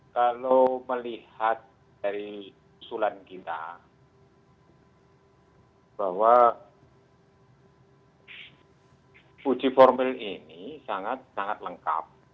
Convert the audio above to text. kalau melihat dari usulan kita bahwa uji formil ini sangat sangat lengkap